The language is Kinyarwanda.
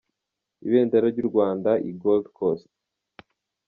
Ibendera ry'u Rwanda i Gold Coast.